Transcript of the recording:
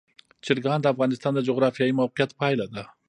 چرګان د افغانستان د جغرافیایي موقیعت پایله ده.